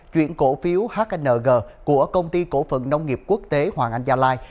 chuyển cổ phiếu hng của công ty cổ phận nông nghiệp quốc tế hoàng anh gia lai